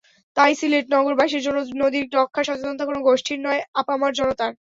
তাই সিলেট নগরবাসীর জন্য নদী রক্ষার সচেতনতা কোনো গোষ্ঠীর নয়, আপামর জনতার।